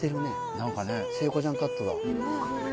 何かね聖子ちゃんカットだ